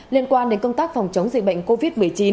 liên quan đến công tác phòng chống dịch bệnh covid một mươi chín